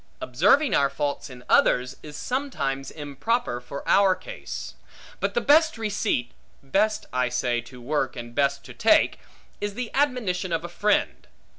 Observing our faults in others, is sometimes improper for our case. But the best receipt (best, I say, to work, and best to take) is the admonition of a friend.